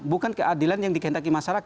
bukan keadilan yang dikehendaki masyarakat